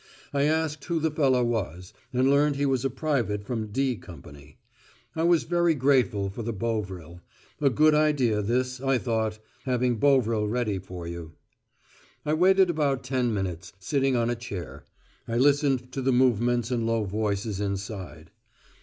I asked who the fellow was, and learned he was a private from "D" Company. I was very grateful for the Bovril. A good idea, this, I thought, having Bovril ready for you. I waited about ten minutes, sitting on a chair. I listened to the movements and low voices inside.